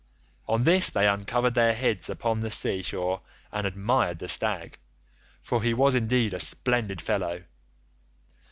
On this they uncovered their heads upon the sea shore and admired the stag, for he was indeed a splendid fellow.